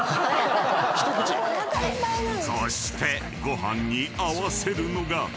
［そしてご飯に合わせるのが］